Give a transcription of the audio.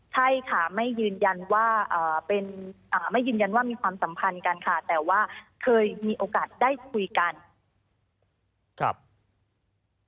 ใช่ค่ะไม่ยืนยันว่ามีความสัมพันธ์กันค่ะแต่ว่าเคยมีโอกาสได้คุยกัน